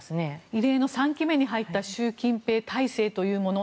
異例の３期目に入った習近平体制というもの